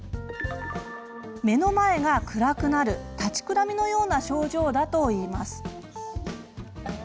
目の前が暗くなる立ちくらみのような症状だといいます。